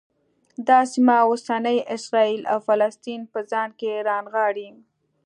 دا سیمه اوسني اسرایل او فلسطین په ځان کې رانغاړي.